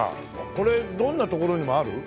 これどんなところにもある？